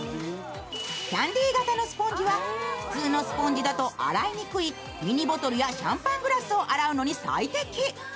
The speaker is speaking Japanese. キャンディー型のスポンジは普通のスポンジだとミニボトルやシャンパングラスを洗うのに最適。